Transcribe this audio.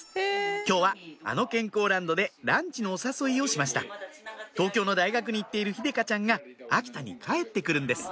今日はあの健康ランドでランチのお誘いをしました東京の大学に行っている秀香ちゃんが秋田に帰って来るんです